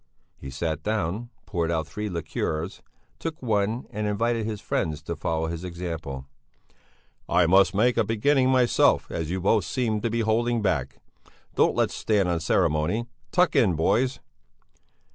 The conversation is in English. He sat down, poured out three liqueurs, took one and invited his friends to follow his example. "I must make a beginning myself, as you both seem to be holding back. Don't let's stand on ceremony! Tuck in boys!"